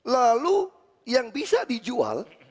lalu yang bisa dijual